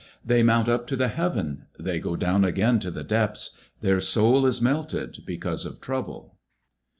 19:107:026 They mount up to the heaven, they go down again to the depths: their soul is melted because of trouble.